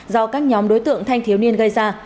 do các nhóm đối tượng thanh thiếu niên gây ra